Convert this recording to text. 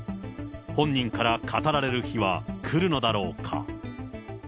本人から語られる日は来るのだろうか。